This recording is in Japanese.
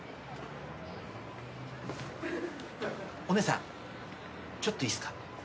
お姉さんちょっといいっすか？